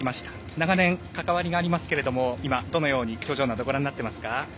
長年関わりがありますけれども今、どのように表情などご覧になってますか。